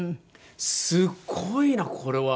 「すごいなこれは！」。